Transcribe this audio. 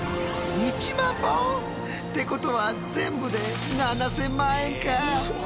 ってことは全部で７，０００万円か！